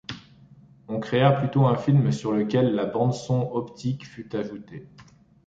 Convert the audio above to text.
On créa plutôt un film sur lequel la bande-son optique fut ajoutée.